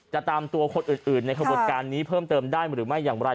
ตามตัวคนอื่นในขบวนการนี้เพิ่มเติมได้หรือไม่อย่างไร